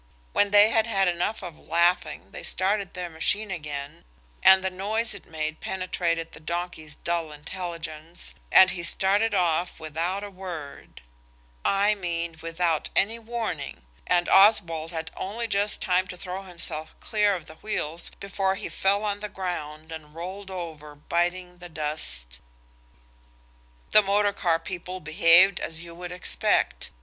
When they had had enough of laughing they started their machine again, and the noise it made penetrated the donkey's dull intelligence, and he started off without a word–I mean without any warning, and Oswald had only just time to throw himself clear of the wheels before he fell on the ground and rolled over, biting the dust. ALICE BEAT THE DONKEY FROM THE CART, THE REST SHOUTED. The motor car people behaved as you would expect.